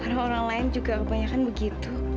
karena orang lain juga kebanyakan begitu